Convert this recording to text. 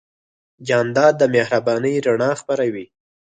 جانداد د مهربانۍ رڼا خپروي.